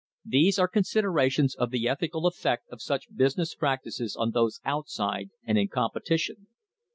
These are considerations of the ethical effect of such busi ness practices on those outside and in competition.